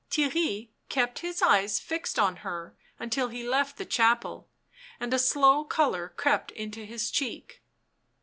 Theirry kept his eyes fixed on her until he left the chapel, and a slow colour crept into his cheek.